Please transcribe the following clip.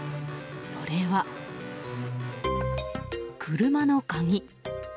それは、車の鍵。